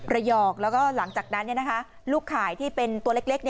ระยองแล้วก็หลังจากนั้นลูกข่ายที่เป็นตัวเล็ก